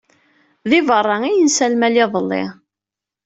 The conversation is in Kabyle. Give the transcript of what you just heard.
Di berra i yensa lmal iḍelli.